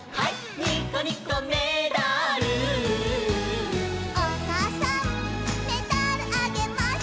「ニッコニコメダル」「おかあさんメダルあげます」